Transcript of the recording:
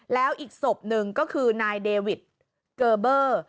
แล้วอีกศพหนึ่งก็คือนายเดวิทเกอร์เบอร์